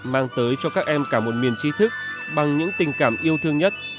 mang tới cho các em cả một miền trí thức bằng những tình cảm yêu thương nhất